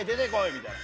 みたいな。